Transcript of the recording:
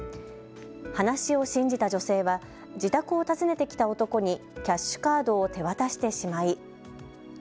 話を信じた女性は、自宅を訪ねてきた男にキャッシュカードを手渡してしまい。